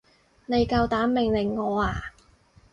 你夠膽命令我啊？